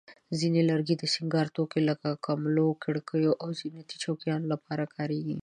ځینې لرګي د سینګار توکو لکه کملو، کړکینو، او زینتي چوکاټونو لپاره کارېږي.